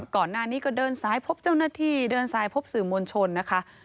ก่อนหน้านี้ก็เดินซ้ายพบเจ้าหน้าที่เดินสายพบสื่อมวลชนนะคะ